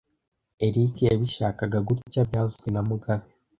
Eric yabishakaga gutya byavuzwe na mugabe